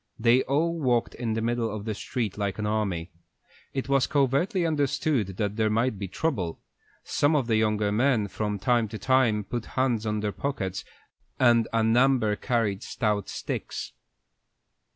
They all walked in the middle of the street like an army. It was covertly understood that there might be trouble. Some of the younger men from time to time put hands on their pockets, and a number carried stout sticks.